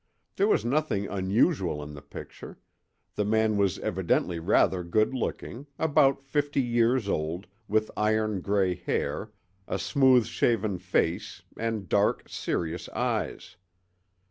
There was nothing unusual in the picture; the man was evidently rather good looking, about fifty years old, with iron gray hair, a smooth shaven face and dark, serious eyes.